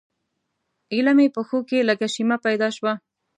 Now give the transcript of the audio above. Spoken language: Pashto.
ایله مې پښو کې لږه شیمه پیدا شوه.